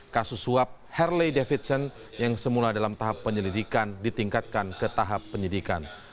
kasus suap harley davidson yang semula dalam tahap penyelidikan ditingkatkan ke tahap penyidikan